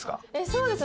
そうです。